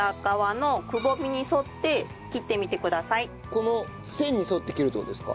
この線に沿って切るって事ですか？